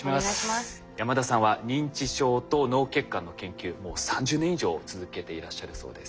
山田さんは認知症と脳血管の研究もう３０年以上続けていらっしゃるそうです。